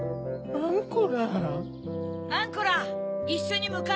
アンコラ！